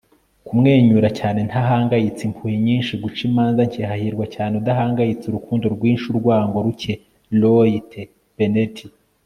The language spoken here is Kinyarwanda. kumwenyura cyane, ntahangayitse. impuhwe nyinshi, guca imanza nke. hahirwa cyane, udahangayitse. urukundo rwinshi, urwango ruke. - roy t. bennett